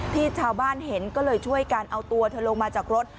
ที่ชาวบ้านเห็นก็เลยช่วยกันเอาตัวเธอลงมาจากรถ